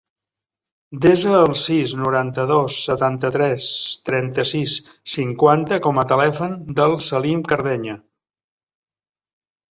Desa el sis, noranta-dos, setanta-tres, trenta-sis, cinquanta com a telèfon del Salim Cardeña.